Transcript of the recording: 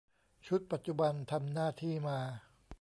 ชุดปัจจุบันทำหน้าที่มา